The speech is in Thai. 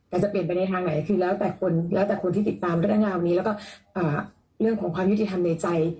แต่จะเปลี่ยนไปในทางไหนคือแล้วแต่คนแล้วแต่คนที่ติดตามเรื่องงานนี้แล้วก็เรื่องของความยุติธรรมในใจ